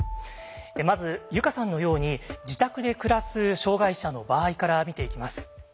まず友佳さんのように自宅で暮らす障害者の場合から見ていきます。